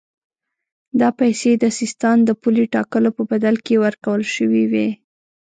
دا پیسې د سیستان د پولې ټاکلو په بدل کې ورکول شوې وې.